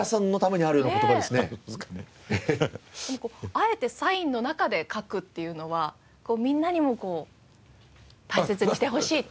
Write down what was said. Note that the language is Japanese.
あえてサインの中で書くっていうのはみんなにも大切にしてほしいっていう？